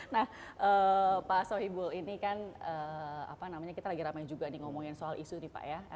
nah pak sohibul ini kan apa namanya kita lagi ramai juga nih ngomongin soal isu nih pak ya